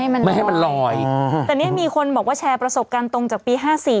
มันไม่ให้มันลอยแต่เนี่ยมีคนบอกว่าแชร์ประสบการณ์ตรงจากปี๕๔